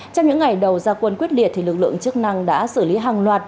trong những ngày đầu gia quân quyết liệt lực lượng chức năng đã xử lý hàng loạt